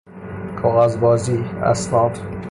کاغذ بازی، اسناد